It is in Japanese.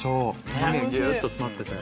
うまみがギュっと詰まってて。